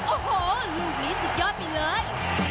โอ้โหลูกนี้สุดยอดไปเลย